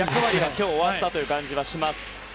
今日終わったという感じがします。